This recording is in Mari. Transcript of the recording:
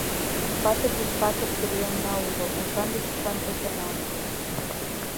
Патыр деч патыр пӧръеҥна уло, ушан деч ушан кочана уло.